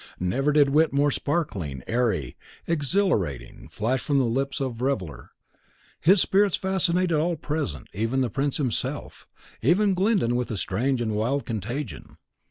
Never did wit more sparkling, airy, exhilarating, flash from the lips of reveller. His spirits fascinated all present even the prince himself, even Glyndon with a strange and wild contagion.